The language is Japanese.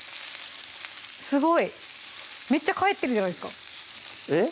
すごいめっちゃ返ってるじゃないですかえっ？